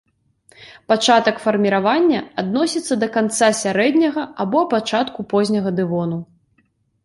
Пачатак фарміравання адносіцца да канца сярэдняга або пачатку позняга дэвону.